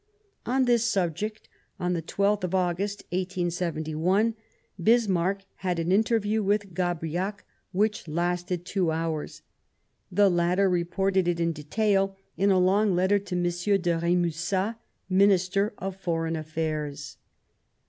On this subject on the 12th of August, 187 1, Bismarck had an interview with Gabriac which lasted two hours ; the latter reported it in detail in a long letter to M. de Remusat, Minister of Foreign Affairs.